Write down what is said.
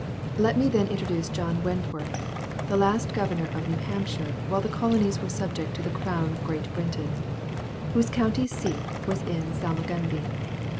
Let me then introduce John Wentworth (the last governor of New Hampshire while the colonies were subject to the crown of Great Britain), whose country seat was in Salmagundi.